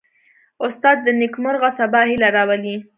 استاد د نیکمرغه سبا هیله راولي.